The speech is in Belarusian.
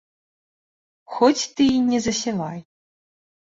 Хоць ты і не засявай.